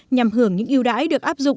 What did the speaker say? nhằm hưởng những ưu đãi được áp dụng